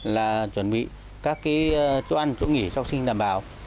là chuẩn bị các cái chỗ ăn chỗ nghỉ cho học sinh đảm bảo